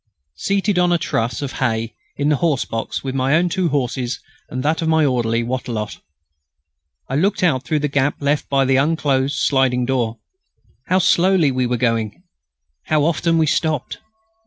Seated on a truss of hay in the horse box with my own two horses and that of my orderly, Wattrelot, I looked out through the gap left by the unclosed sliding door. How slowly we were going! How often we stopped!